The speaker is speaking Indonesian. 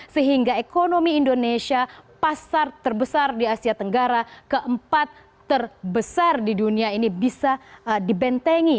sehingga ekonomi indonesia pasar terbesar di asia tenggara keempat terbesar di dunia ini bisa dibentengi